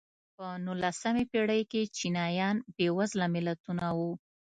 په نولسمې پېړۍ کې چینایان بېوزله ملتونه وو.